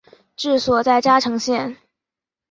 治所在嘉诚县。